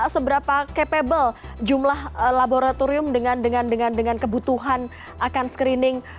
seberapa capable jumlah laboratorium dengan kebutuhan akan screening